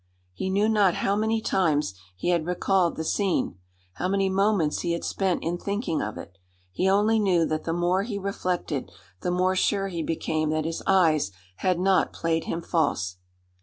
He knew not how many times he had recalled the scene, how many moments he had spent in thinking of it; he only knew that the more he reflected the more sure he became that his eyes had not played him false.